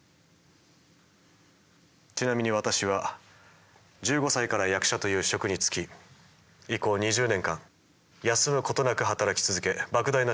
ちなみに私は１５歳から役者という職に就き以降２０年間休むことなく働き続けばく大な収入を得てきました。